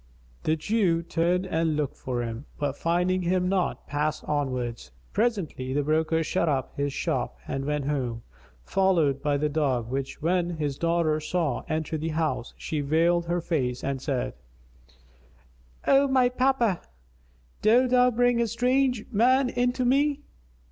The Jew turned and looked for him, but finding him not, passed onwards. Presently, the broker shut up his shop and went home, followed by the dog, which, when his daughter saw enter the house, she veiled her face and said, "O my papa, dost thou bring a strange man in to me?"